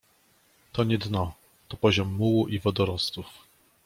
To nie dno. To poziom mułu i wodorostów.